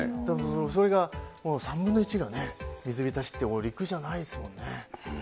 それが３分の１がね、水浸しって、陸じゃないんですもんね。